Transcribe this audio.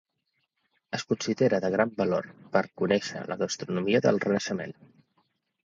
Es considera de gran valor per a conèixer la gastronomia del Renaixement.